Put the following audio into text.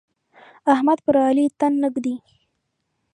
احمد پر علي تن نه ږدي.